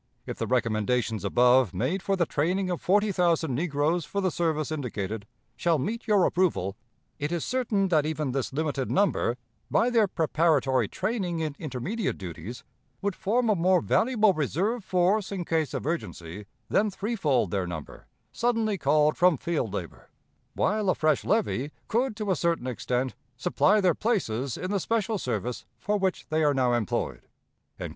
If the recommendation above, made for the training of forty thousand negroes for the service indicated, shall meet your approval, it is certain that even this limited number, by their preparatory training in intermediate duties, would form a more valuable reserve force in case of urgency than threefold their number suddenly called from field labor, while a fresh levy could to a certain extent supply their places in the special service for which they are now employed."